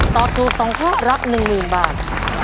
ตอบถูก๒ข้อรับ๑๐๐๐บาท